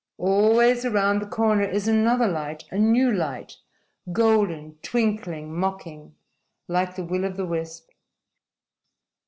_ _Always around the corner is another light, a new light golden, twinkling, mocking, like the will o' the wisp.